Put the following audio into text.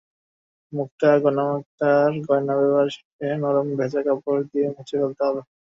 মুক্তার গয়নামুক্তার গয়না ব্যবহার শেষে নরম, ভেজা কাপড় দিয়ে মুছে ফেলতে হবে।